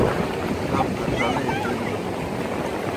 تھپ گہ ڇلے دِر دہ بون